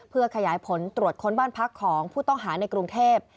เพื่อขยายผลตรวจค้นบ้านพักของผู้ต้องหาในกรุงเทพ